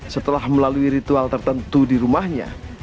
setelah melalui ritual tertentu di rumahnya